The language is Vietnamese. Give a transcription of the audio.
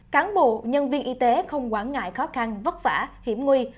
cán bộ nhân viên y tế không quản ngại khó khăn vất vả hiểm nguy